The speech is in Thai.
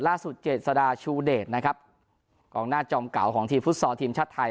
ล่าสุดเจ็ดสดาชูเดทนะครับกล่องหน้าจอมเก๋าของทีมพุฒศาวิชาทัย